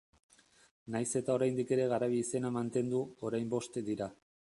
Nahiz eta oraindik ere Garabi izena mantendu, orain bost dira.